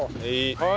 はい！